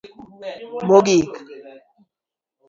mogik